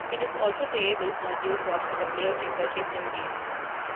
It is also playable on the jukebox that the player can purchase in-game.